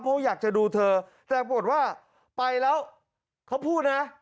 เพราะอยากจะดูเธอแต่ปรากฏว่าไปแล้วเขาพูดนะ